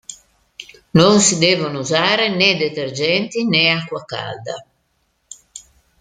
Non si devono usare né detergenti né acqua calda.